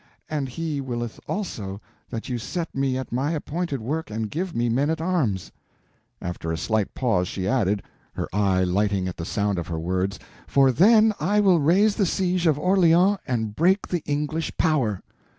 And He willeth also that you set me at my appointed work and give me men at arms." After a slight pause she added, her eye lighting at the sound of her words, "For then will I raise the siege of Orleans and break the English power!"